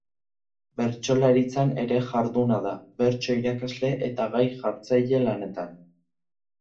Bertsolaritzan ere jarduna da, bertso irakasle eta gai jartzaile lanetan.